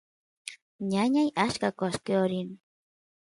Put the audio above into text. ñañay achka qoshqeo rin